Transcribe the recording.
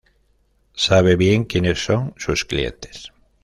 sabe bien quiénes son sus clientes